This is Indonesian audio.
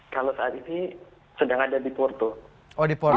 kalau saat ini sedang ada di porto